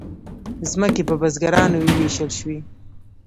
ځمکې په بزګرانو وویشل شوې.